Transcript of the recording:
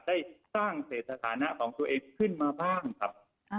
ได้สร้างเสร็จสถานะของตัวเองขึ้นมาบ้างครับ